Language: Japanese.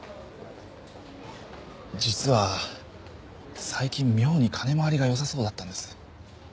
実は最近妙に金回りが良さそうだったんです。